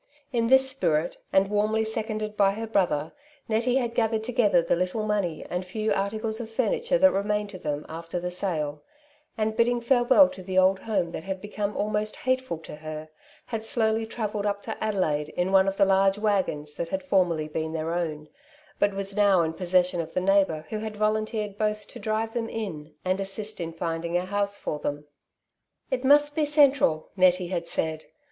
In this spirit, and warmly seconded by her brother, Nettie had gathered together the little money and few articles of furniture that remained to them after the sale, and bidding farewell to the old home that had become almost hateful to her, had slowly travelled up to Adelaide in one of the large waggons that had formerly been their own, but was now in posses sion of the neighbour who had volunteered both to drive them in, and assist in finding a house for them. '' It most be central," Nettie had said.